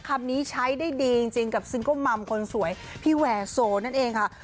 คำนี้ใช้ได้ดีจริงกับซิงเกิลมัมคนสวยพี่แวร์โซนั่นเองค่ะ